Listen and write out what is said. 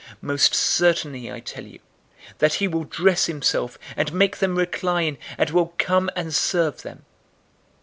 Most certainly I tell you, that he will dress himself, and make them recline, and will come and serve them.